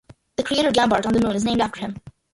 The crater Gambart on the moon is named after him.